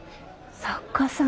作家さん。